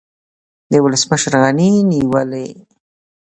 د ولسمشر غني نیولې